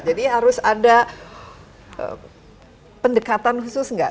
jadi harus ada pendekatan khusus gak